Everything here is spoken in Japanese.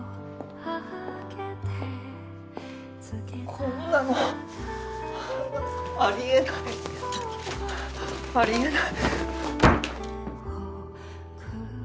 こんなのありえないありえない